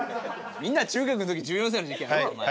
みんな中学の時１４歳の時期あるわお前。